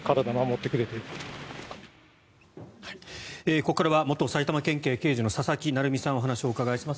ここからは元埼玉県警刑事の佐々木成三さんにお話を伺います。